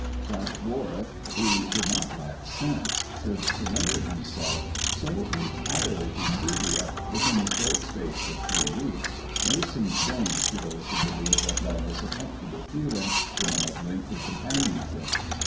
That Warwick, who did not lack sense, should surrender himself so entirely to Celia within the short space of three weeks, may seem strange to those who believe that love is a comfortable feeling born of lengthy companionship.